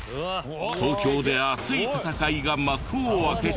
東京で熱い戦いが幕を開けた。